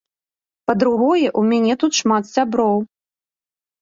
Па-другое ў мяне тут шмат сяброў.